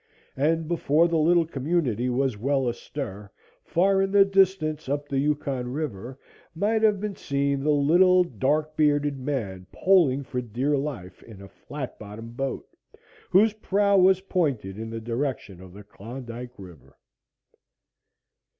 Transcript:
And before the little community was well astir, far in the distance, up the Yukon river, might have been seen the little, dark bearded man poling for dear life in a flat bottom boat, whose prow was pointed in the direction of the Klondike river.